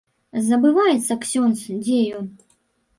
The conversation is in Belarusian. Забываецца ксёндз, дзе ён.